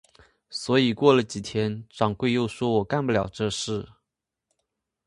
所以过了几天，掌柜又说我干不了这事。